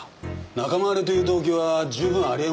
仲間割れという動機は十分ありえますよ。